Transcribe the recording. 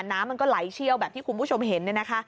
น้ำมันก็ไหลเชี่ยวแบบที่คุณผู้ชมเห็น